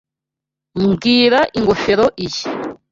Mbwira ingofero iyi.